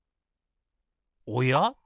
おや？